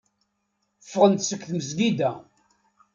Ffɣen-d seg tmezgida.